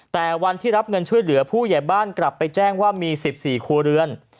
แต่วันที่รับเงินช่วยเหลือผู้ใหญ่บ้านกลับไปแจ้งว่ามี๑๔ครัวเรือน